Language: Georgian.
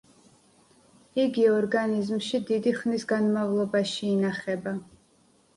იგი ორგანიზმში დიდი ხნის განმავლობაში ინახება.